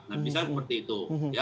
nah bisa seperti itu